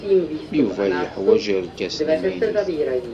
Yuba yeḥwaj irkasen imaynuten.